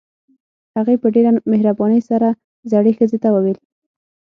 هغې په ډېره مهربانۍ سره زړې ښځې ته وويل.